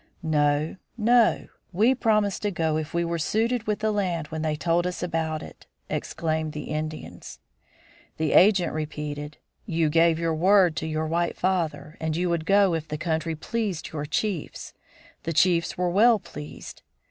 "No, no! We promised to go if we were suited with the land when they told us about it!" exclaimed the Indians. The agent repeated, "You gave your word to your white father that you would go if the country pleased your chiefs. The chiefs were well pleased."